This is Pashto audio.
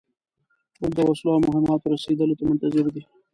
ټول د وسلو او مهماتو رسېدلو ته منتظر دي.